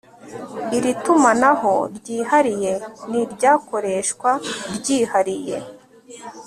Iri tumanaho ryihariye ni iryakoreshwa ryihariye